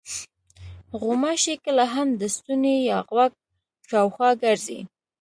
غوماشې کله هم د ستوني یا غوږ شاوخوا ګرځي.